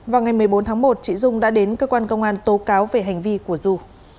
vào ngày một mươi bốn tháng một chị dung đã đến cơ quan công an tố cáo về hành vi của du